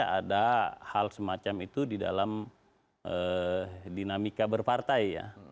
tidak ada hal semacam itu di dalam dinamika berpartai